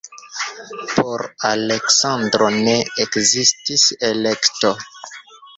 Por Aleksandro ne ekzistis elekto.